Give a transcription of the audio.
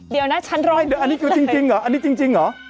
เดี๋ยวนะฉันลองกรี๊ดเลย